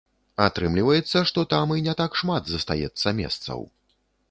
Атрымліваецца, што там і не так шмат застаецца месцаў.